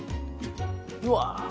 うわ！